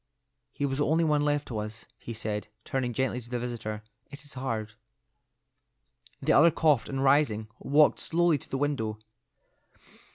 "He was the only one left to us," he said, turning gently to the visitor. "It is hard." The other coughed, and rising, walked slowly to the window.